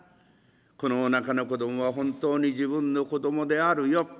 「このおなかの子供は本当に自分の子供であるよ。